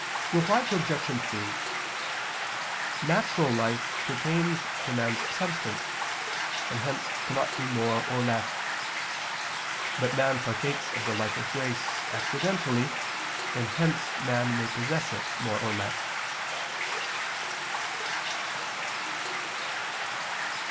Reply Obj. 3: Natural life pertains to man's substance, and hence cannot be more or less; but man partakes of the life of grace accidentally, and hence man may possess it more or less.